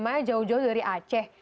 mana jauh jauh dari aceh